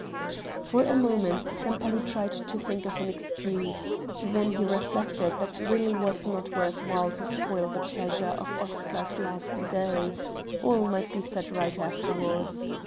For a moment Sempaly tried to think of an excuse; then he reflected that it really was not worth while to spoil the pleasure of Oscar's last day all might be set right afterwards.